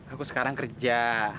aku sekarang kerja